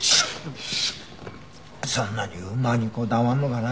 そんなに馬にこだわるのかな。